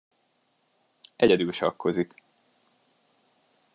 Egyedül sakkozik.